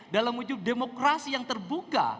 dalam wujud demokrasi yang terbuka